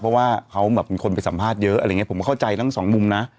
เพราะว่าเขาแบบมีคนไปสัมภาษณ์เยอะอะไรอย่างนี้ผมก็เข้าใจทั้งสองมุมนะ